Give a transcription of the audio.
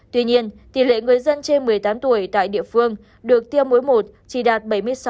tuy nhiên tỷ lệ người dân trên một mươi tám tuổi tại địa phương được tiêm mỗi một chỉ đạt bảy mươi sáu bốn mươi bảy